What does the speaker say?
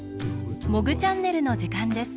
「モグチャンネル」のじかんです。